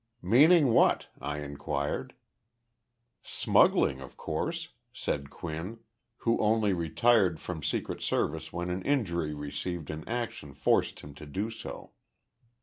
"Meaning what?" I inquired. "Smuggling, of course," said Quinn, who only retired from Secret Service when an injury received in action forced him to do so.